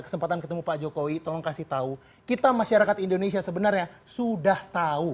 kesempatan ketemu pak jokowi tolong kasih tahu kita masyarakat indonesia sebenarnya sudah tahu